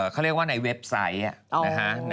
เขาเรียกว่าในเว็บไซต์นะคะ